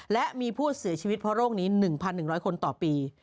และมีผู้เสียชีวิตเพราะโรคนี้๑๑๐๐คนต่อปี